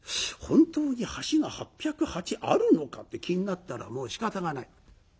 本当に橋が８０８あるのかって気になったらもうしかたがない。